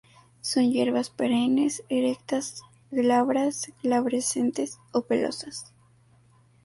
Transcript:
Son hierbas perennes, erectas, glabras, glabrescentes o pelosas.